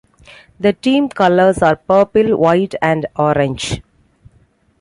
The team colours are purple, white and orange.